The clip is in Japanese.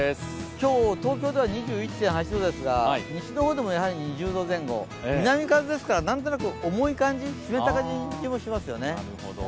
今日、東京では２１．８度ですが西の方でもやはり２０度前後、南風ですから、何となく湿った感じ、重い感じがしますよね。